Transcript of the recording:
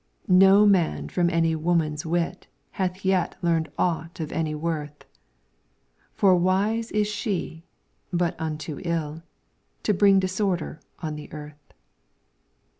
No man from any woman's wit Hath yet learned aught of any worth, For wise is she, but unto ill, To bring disorder on the earth.